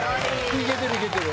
いけてるいけてる。